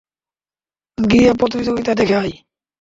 গিয়ে প্রতিযোগিতা দেখে আয়।